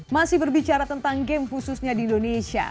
masih berbicara tentang game khususnya di indonesia